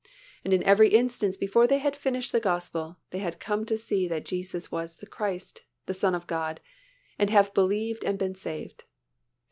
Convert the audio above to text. And in every instance before they had finished the Gospel they had come to see that Jesus was the Christ, the Son of God, and have believed and been saved.